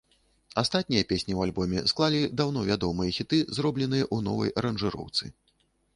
Астатнія песні ў альбоме склалі даўно вядомыя хіты, зробленыя ў новай аранжыроўцы.